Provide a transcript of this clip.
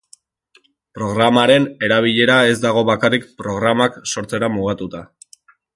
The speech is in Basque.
Programaren erabilera ez dago bakarrik programak sortzera mugatuta.